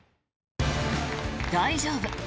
大丈夫。